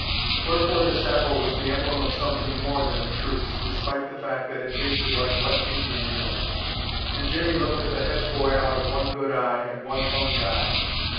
Wherefore this apple was the emblem of something more than a truce, despite the fact that it tasted like wet Indian meal; and Jimmie looked at the Hedge boy out of one good eye and one bunged eye.